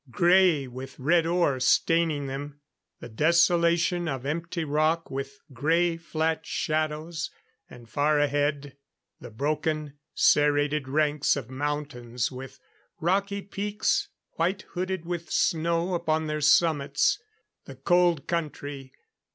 Grey, with red ore staining them. A desolation of empty rock, with grey flat shadows. And far ahead, the broken, serrated ranks of mountains with rocky peaks, white hooded with the snow upon their summits. The Cold Country.